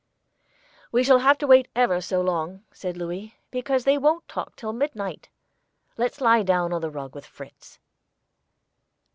"We shall have to wait ever so long," said Louis, "because they won't talk till midnight. Let's lie down on the rug with Fritz."